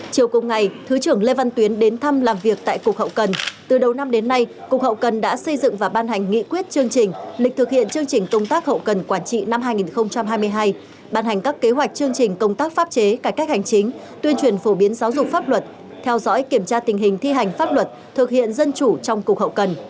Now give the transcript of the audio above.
chiều cùng ngày thứ trưởng lê văn tuyến đến thăm làm việc tại cục hậu cần từ đầu năm đến nay cục hậu cần đã xây dựng và ban hành nghị quyết chương trình lịch thực hiện chương trình công tác hậu cần quản trị năm hai nghìn hai mươi hai ban hành các kế hoạch chương trình công tác pháp chế cải cách hành chính tuyên truyền phổ biến giáo dục pháp luật theo dõi kiểm tra tình hình thi hành pháp luật thực hiện dân chủ trong cục hậu cần